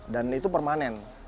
dan itu permanen